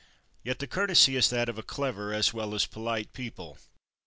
Yet the courtesy is that of a clever as well as polite people.